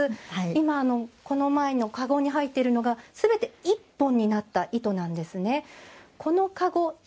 今、この前の籠に入っているのがすべて１本になった糸なんですね。